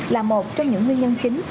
là một trong những nguyên nhân chính